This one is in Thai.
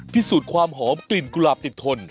พิสูจน์ความหอมกลิ่นกุหลาบติดทน